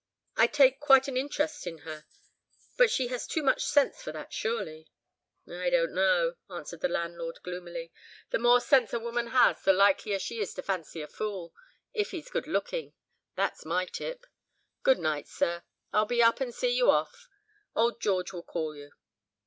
I take quite an interest in her. But she has too much sense for that, surely?" "I don't know," answered the landlord, gloomily, "the more sense a woman has, the likelier she is to fancy a fool, if he's good looking, that's my tip. Good night, sir. I'll be up and see you off. Old George will call you."